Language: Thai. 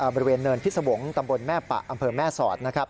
บริเวณเนินพิษวงศ์ตำบลแม่ปะอำเภอแม่สอดนะครับ